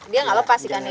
dia nggak lepas ikannya ya